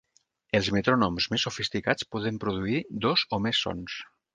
Els metrònoms més sofisticats poden produir dos o més sons.